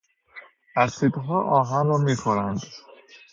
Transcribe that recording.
اسیدها آهن را میخورند.